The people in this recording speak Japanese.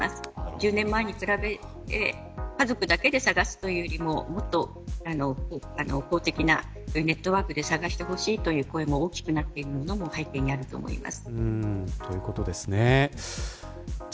１０年前に比べて家族だけで探すというよりももっと公的なネットワークで探してほしいという声も大きくなっているのも背景にあると思います。